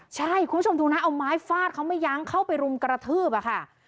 ใช่คุณผู้ชมดูนะเอาไม้ฟาดเขาไม่ยั้งเข้าไปรุมกระทืบอะค่ะ